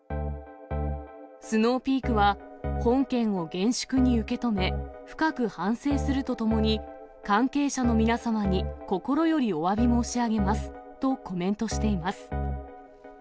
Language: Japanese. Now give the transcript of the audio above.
スノーピークは、本件を厳粛に受け止め、深く反省するとともに、関係者の皆様に心よりおわび申し上げますとコメントしています。